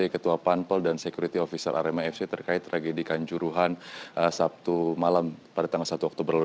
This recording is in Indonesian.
ketua panpel dan security officer arema fc terkait tragedi kanjuruhan sabtu malam pada tanggal satu oktober lalu